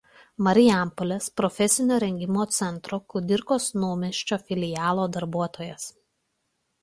Marijampolės profesinio rengimo centro Kudirkos Naumiesčio filialo darbuotojas.